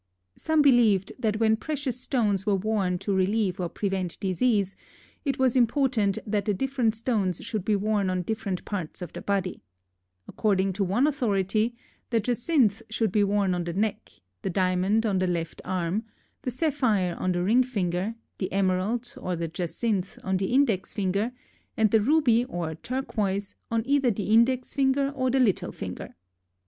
Some believed that when precious stones were worn to relieve or prevent disease, it was important that the different stones should be worn on different parts of the body. According to one authority, the jacinth should be worn on the neck; the diamond, on the left arm; the sapphire, on the ring finger; the emerald, or the jacinth, on the index finger; and the ruby or turquoise, on either the index finger or the little finger.